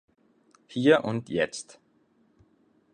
Hier und jetzt.